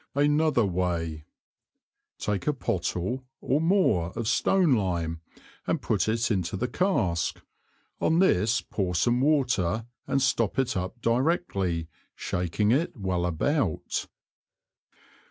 Another Way. Take a Pottle, or more, of Stone Lime, and put it into the Cask; on this pour some Water and stop it up directly, shaking it well about.